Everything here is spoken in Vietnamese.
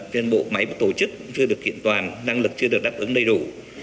trên bộ máy tổ chức chưa được kiện toàn năng lực chưa được đáp ứng đầy đủ